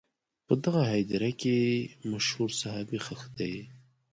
په دغه هدیره کې مشهور صحابه ښخ دي.